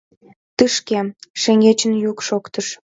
Тышке, — шеҥгечын йӱк шоктыш.